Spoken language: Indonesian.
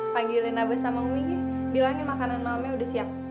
panggilin abu sama umingi bilangin makanan malamnya udah siap